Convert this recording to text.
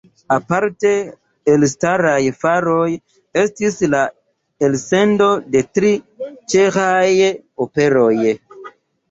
Aparte elstaraj faroj estis la elsendo de tri ĉeĥaj operoj.